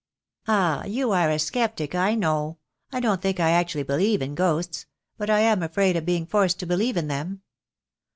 " "Ah, you are a sceptic, I know. I don't think I actually believe in ghosts — but I am afraid of being forced to believe in them.